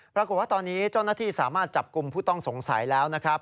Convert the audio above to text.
ปรากฏว่าตอนนี้เจ้าหน้าที่สามารถจับกลุ่มผู้ต้องสงสัยแล้วนะครับ